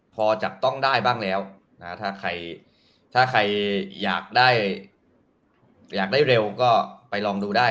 พอจับต้องได้บ้างแล้วถ้าใครอยากได้เร็วก็ไปลองดูได้